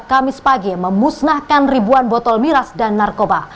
kamis pagi memusnahkan ribuan botol miras dan narkoba